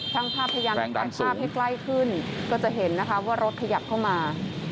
ทางภาพที่ยังไม่ขายภาพให้ใกล้ขึ้นก็จะเห็นนะครับว่ารถขยับเข้ามา